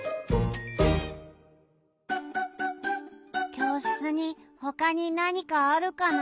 きょうしつにほかになにかあるかな？